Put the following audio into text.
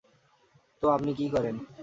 তো, আপনি কি করেন?